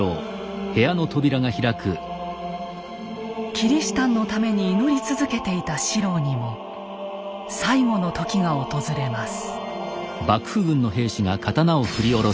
キリシタンのために祈り続けていた四郎にも最後の時が訪れます。